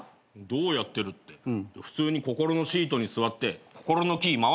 どうやってるって普通に心のシートに座って心のキー回すだけだろ。